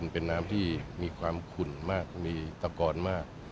เป็นน้ำที่มีความขุ่นมากมีตะกอนมาก